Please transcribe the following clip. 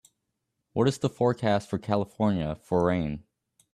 what is the forecast for California for rain